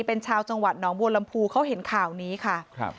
เป็นชาวจังหวัดหนองบัวลำพูเขาเห็นข่าวนี้ค่ะครับ